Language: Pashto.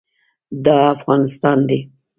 دا افغانستان دی.